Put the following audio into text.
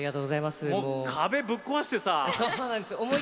壁、ぶっ壊してさ。